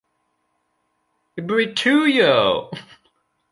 britujo